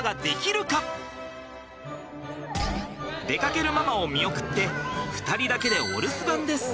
出かけるママを見送って２人だけでお留守番です。